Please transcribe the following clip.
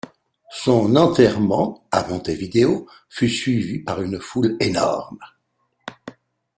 Son enterrement, à Montevideo, fut suivi par une foule énorme.